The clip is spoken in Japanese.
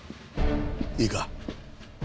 いいか？